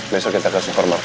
besok kita kasih format ya